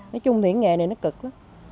nói chung thì cái nghề này nó cực lắm